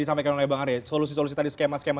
disampaikan oleh bang arya solusi solusi tadi skema skema